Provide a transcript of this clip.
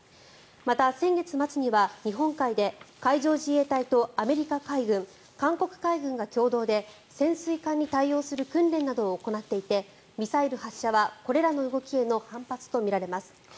また、先月末には日本海で海上自衛隊とアメリカ海軍、韓国海軍が共同で潜水艦に対応する訓練などを行っていてミサイル発射はこれらの動きへの反発とみられます。